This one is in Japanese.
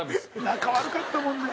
仲悪かったもんね。